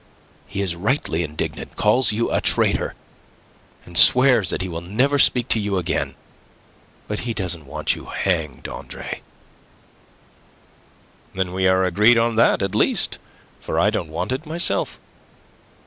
He is rightly indignant, calls you a traitor, and swears that he will never speak to you again. But he doesn't want you hanged, Andre." "Then we are agreed on that at least, for I don't want it myself."